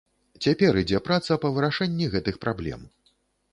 Цяпер ідзе праца па вырашэнні гэтых праблем.